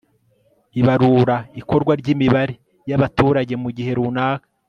ibarura ikorwa ry'imibare y'abaturage mu gihe runaka